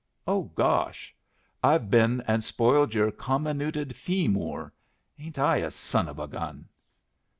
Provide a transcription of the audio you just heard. "Oh, gosh! I've been and spoiled your comminuted fee mur! Ain't I a son of a gun?"